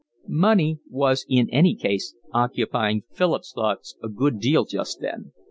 Money was in any case occupying Philip's thoughts a good deal just then.